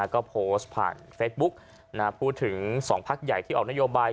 ก็โพสต์ผ่านเฟซบุ๊กพูดถึง๒พักใหญ่ที่ออกนโยบาย